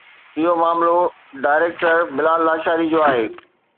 اهو معاملو ڊائريڪٽر بلال لاشاري جو آهي